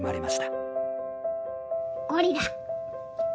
ゴリラ。